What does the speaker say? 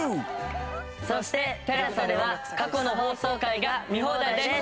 そしてＴＥＬＡＳＡでは過去の放送回が見放題です。